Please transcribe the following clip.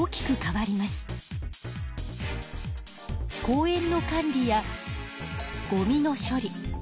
公園の管理やゴミの処理